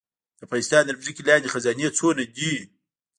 د افغانستان تر ځمکې لاندې خزانې څومره دي؟